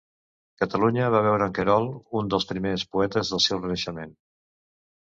Catalunya va veure en Querol un dels primers poetes del seu renaixement.